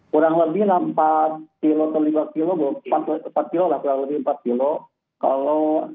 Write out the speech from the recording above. kurang lebih empat lima kilo kurang lebih empat kilo